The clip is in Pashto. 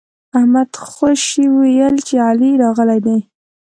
احمد خوشي ويل چې علي راغلی دی.